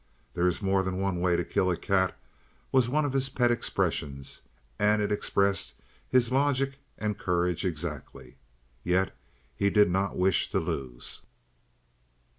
"There is more than one way to kill a cat," was one of his pet expressions, and it expressed his logic and courage exactly. Yet he did not wish to lose.